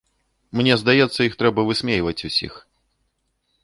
Мне здаецца, іх трэба высмейваць усіх.